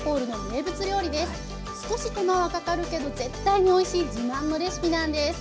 少し手間はかかるけど絶対においしい自慢のレシピなんです。